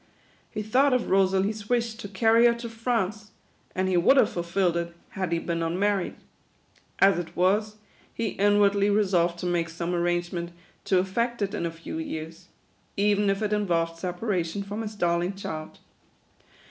He thought of Rosalie's wish to carry her to France : and he would have fulfilled it, had he been unmarried. As it was, he inwardly resolved to make 72 THE QUADROONS. some arrangement to effect it in a few years, even if it involved separation from his darling child.